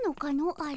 あれ。